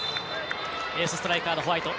エースストライカーのホワイト。